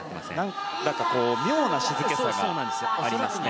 何だか妙な静けさがありますね。